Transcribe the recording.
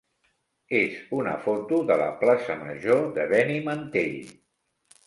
és una foto de la plaça major de Benimantell.